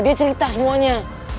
dia cerita semuanya